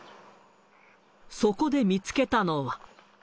そこで見つけたのは。